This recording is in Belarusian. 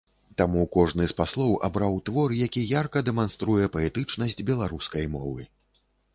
Таму кожны з паслоў абраў твор, які ярка дэманструе паэтычнасць беларускай мовы.